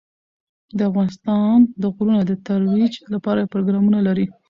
افغانستان د غرونه د ترویج لپاره پروګرامونه لري.